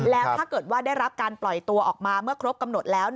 แล้วถ้าเกิดว่าได้รับการปล่อยตัวออกมาเมื่อครบกำหนดแล้ว